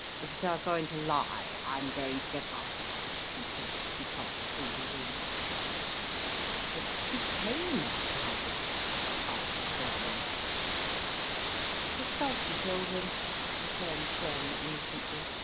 "If they're going to lie I'm going to get out," he said, as he passed through the room. "What became of Fido?" asked Boswell. "The sulky killed him," returned Shem, innocently.